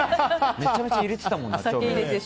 めちゃめちゃ入れてたもんね。